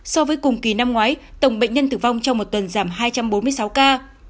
so với cùng kỳ năm ngoái tổng bệnh nhân tử vong trong một tuần giảm hai trăm bốn mươi sáu ca